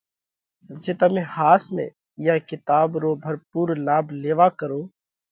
جي تمي ۿاس ۾ اِيئا ڪِتاٻ رو ڀرپُور لاڀ ليوا ڪروھ